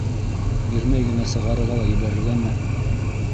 Бирмәй генә сығарырға ла ебәрергәме?